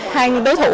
hai đối thủ